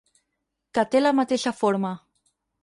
Que té la mateixa forma.